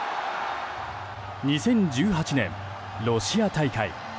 ２０１８年、ロシア大会。